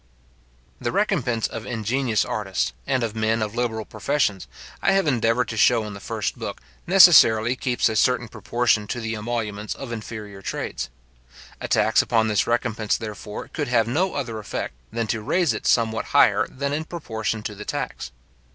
} The recompence of ingenious artists, and of men of liberal professions, I have endeavoured to show in the first book, necessarily keeps a certain proportion to the emoluments of inferior trades. A tax upon this recompence, therefore, could have no other effect than to raise it somewhat higher than in proportion to the tax.